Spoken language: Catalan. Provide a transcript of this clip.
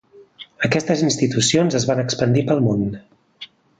Aquestes institucions es van expandir pel Món.